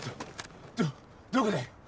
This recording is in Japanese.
どこだい？